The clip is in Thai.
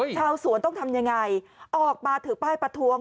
ชาวสวนต้องทำยังไงออกมาถือป้ายประท้วง